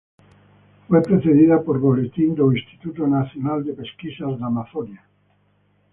Fue precedida por "Boletim do instituto nacional de pesquisas da Amazonia".